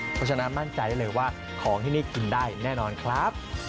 เพราะฉะนั้นมั่นใจได้เลยว่าของที่นี่กินได้แน่นอนครับ